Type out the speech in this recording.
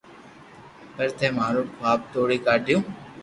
پر ٿي مارو خواب توڙي ڪاڌيو